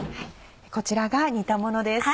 こちらが煮たものです。